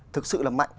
thực sự là mạnh